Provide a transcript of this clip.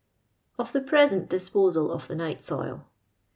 Of the Pbesent Disposal of the Nioht Soil.